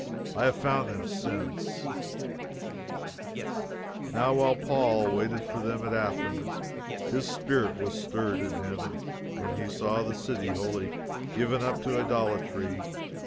I have found them since: "Now while Paul waited for them at Athens, his spirit was stirred in him, when he saw the city wholly given up to idolatry.